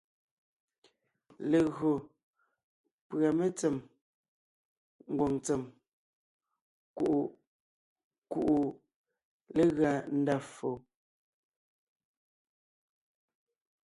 Legÿo pʉ̀a mentsém ngwòŋ ntsèm kuʼu kuʼu legʉa ndá ffo.